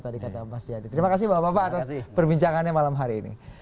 tadi kata mas jadi terima kasih bapak bapak atas perbincangannya malam hari ini